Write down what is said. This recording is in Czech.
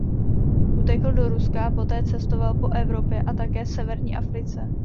Utekl do Ruska a poté cestoval po Evropě a také severní Africe.